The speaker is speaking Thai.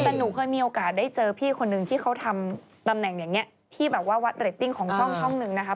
แต่หนูเคยมีโอกาสได้เจอพี่คนนึงที่เขาทำตำแหน่งอย่างนี้ที่แบบว่าวัดเรตติ้งของช่องหนึ่งนะคะ